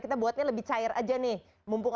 kita buatnya lebih cair aja nih mumpung